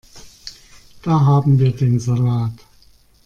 Da haben wir den Salat.